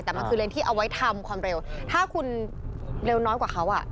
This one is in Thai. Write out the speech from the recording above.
แต่มันคือเลนที่เอาไว้ทำความเร็วถ้าคุณเร็วน้อยกว่าเขาอ่ะ